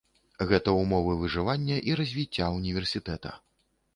Гэта ўмовы выжывання і развіцця ўніверсітэта.